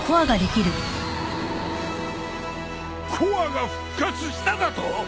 コアが復活しただと！？